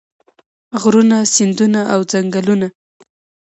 غرونه سیندونه او ځنګلونه.